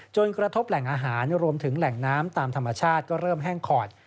กระทบแหล่งอาหารรวมถึงแหล่งน้ำตามธรรมชาติก็เริ่มแห้งขอด